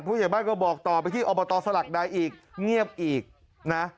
ผู้ใหญ่บ้านก็บอกต่อไปที่อบตสลักใดอีกเงียบอีกนะ